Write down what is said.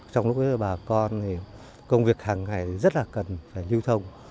trong lúc bà con thì công việc hàng ngày rất là cần phải lưu thông